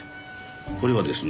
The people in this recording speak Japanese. これはですね